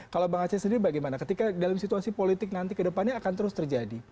kalau bang aceh sendiri bagaimana ketika dalam situasi politik nanti ke depannya akan terus terjadi